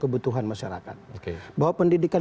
kebutuhan masyarakat bahwa pendidikan